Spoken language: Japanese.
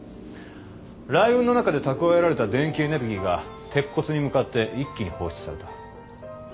雷雲の中で蓄えられた電気エネルギーが鉄骨に向かって一気に放出された。